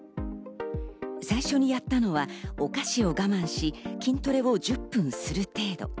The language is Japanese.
最初にやったのはお菓子を我慢し、筋トレを１０分する程度。